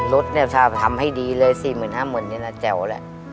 รถเนี่ยถ้าทำให้ดีเลย๔๕๐๐๐นี่แหละแจ๋วแหละ